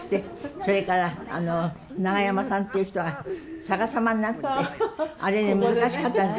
それからながやまさんという人が逆さまになってあれ難しかったんです。